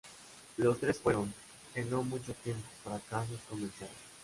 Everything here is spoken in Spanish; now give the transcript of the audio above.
Los tres fueron, en no mucho tiempo, fracasos comerciales.